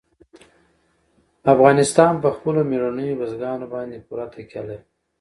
افغانستان په خپلو مېړنیو بزګانو باندې پوره تکیه لري.